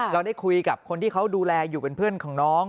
เราได้คุยกับคนที่เขาดูแลอยู่เป็นเพื่อนของน้อง